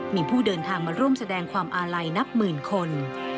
มีผู้เดินทางมาร่วมแสดงความอาลัยนับหมื่นคน